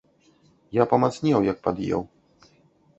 Я памацнеў, як пад'еў.